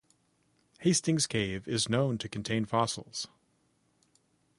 Hastings cave is known to contain fossils.